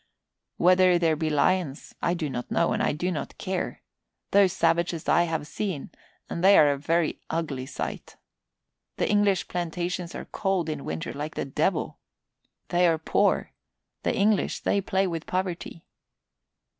Whether there be lions I do not know and I do not care; those savages I have seen and they are a very ugly sight. The English plantations are cold in winter like the devil. They are poor. The English, they play with poverty.